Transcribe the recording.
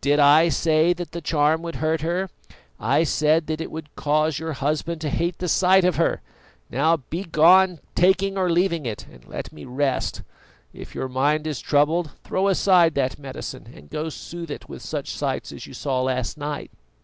Did I say that the charm would hurt her? I said that it would cause your husband to hate the sight of her. Now begone, taking or leaving it, and let me rest. If your mind is troubled, throw aside that medicine, and go soothe it with such sights as you saw last night."